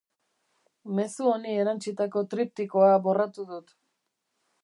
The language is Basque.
Mezu honi erantsitako triptikoa borratu dut.